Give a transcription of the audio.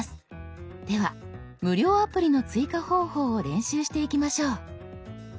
では無料アプリの追加方法を練習していきましょう。